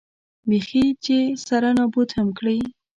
بېخي چې سره نابود هم کړي.